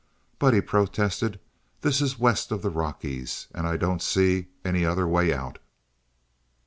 "But," he protested, "this is west of the Rockies and I don't see any other way out."